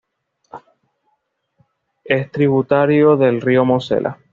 Es tributario del río Mosela.